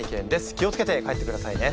気を付けて帰ってくださいね。